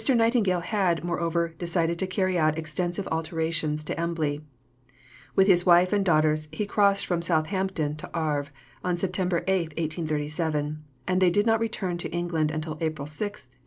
Nightingale had, moreover, decided to carry out extensive alterations at Embley. With his wife and daughters, he crossed from Southampton to Havre on September 8, 1837, and they did not return to England till April 6, 1839.